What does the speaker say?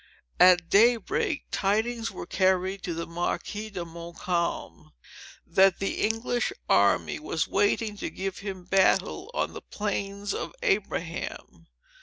At day break, tidings were carried to the Marquis de Montcalm, that the English army was waiting to give him battle on the plains of Abraham.